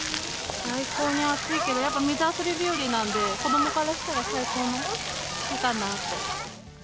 最高に暑いけど、やっぱ水遊び日和なんで、子どもからしたら最高かなって。